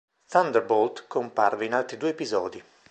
Thunderbolt comparve in altri due episodi.